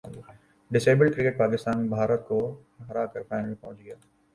ڈس abled cricket Pakistan Bharat کو ہراکر final میں پہنچ گیا